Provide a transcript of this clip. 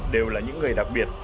đều là những người đặc biệt